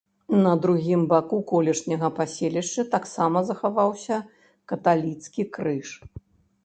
На другім баку колішняга паселішча таксама захаваўся каталіцкі крыж.